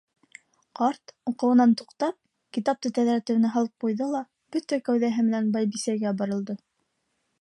Ҡарт, уҡыуынан туҡтап, китапты тәҙрә төбөнә һалып ҡуйҙы ла бөтә кәүҙәһе менән байбисәгә боролдо: